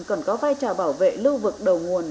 cần có vai trò bảo vệ lưu vực đầu nguồn